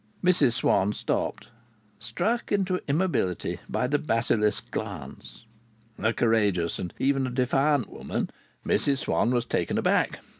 Mrs Swann stopped, struck into immobility by the basilisk glance. A courageous and even a defiant woman, Mrs Swann was taken aback.